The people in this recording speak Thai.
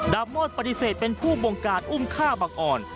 โมดปฏิเสธเป็นผู้บงการอุ้มฆ่าบังอ่อน